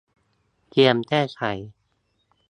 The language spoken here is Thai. เตรียมแก้ไข